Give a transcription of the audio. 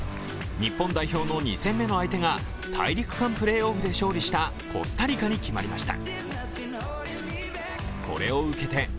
日本代表の２戦目の相手が大陸間プレーオフで勝利したコスタリカに決まりました。